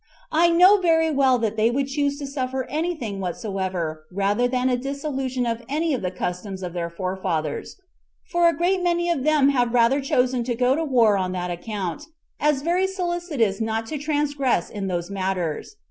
I know very well that they would choose to suffer any thing whatsoever rather than a dissolution of any of the customs of their forefathers; for a great many of them have rather chosen to go to war on that account, as very solicitous not to transgress in those matters.